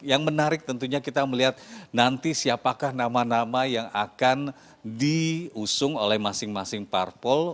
yang menarik tentunya kita melihat nanti siapakah nama nama yang akan diusung oleh masing masing parpol